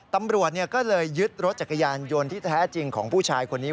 ตำรวจก็เลยยึดรถจักรยานยนต์ที่แท้จริงของผู้ชายคนนี้